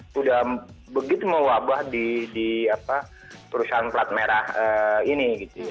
sudah begitu mewabah di perusahaan plat merah ini